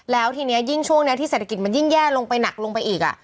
แล้วทีนี้ยิ่งช่วงนี้ที่เศรษฐกิจมันยิ่งแย่ลงไปหนักลงไปอีก